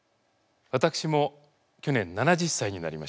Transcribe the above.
私も去年７０歳になりました。